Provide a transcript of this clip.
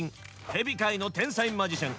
ヘビ界の天才マジシャン。